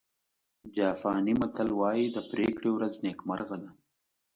جاپاني متل وایي د پرېکړې ورځ نیکمرغه ده.